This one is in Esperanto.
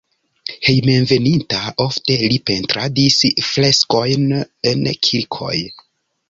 Hejmenveninta ofte li pentradis freskojn en kirkoj.